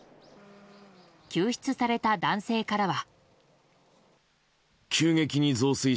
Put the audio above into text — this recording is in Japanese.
救出された男性からは。